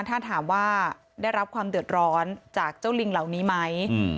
ถ้าถามว่าได้รับความเดือดร้อนจากเจ้าลิงเหล่านี้ไหม